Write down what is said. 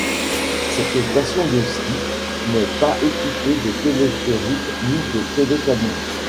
Cette station de ski n'est pas équipée de téléphérique ni de télécabine.